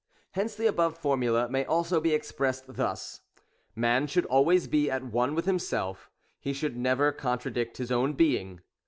Hence the above formula may also be expressed thus, — Man should always be at one with himself, — he should never contradict his own being.